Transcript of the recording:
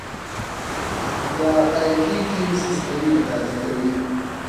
دا ائ ټي ټیم سیستمونه تازه کوي.